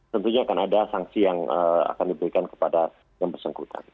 tentunya akan ada sanksi yang akan diberikan kepada yang bersangkutan